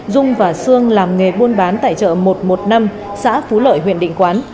dung và sương làm nghề buôn bán tại chợ một trăm một mươi năm xã phú lợi huyện định quán